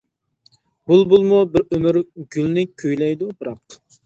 بۇلبۇلمۇ بىر ئۆمۈر گۈلنى كۈيلەيدۇ، بىراق.